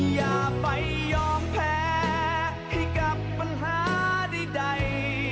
อย่าไปยอมแพ้ให้กับปัญหาใด